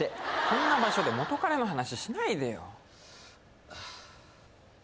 こんな場所で元カレの話しないでよ。